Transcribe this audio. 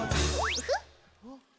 ウフッ。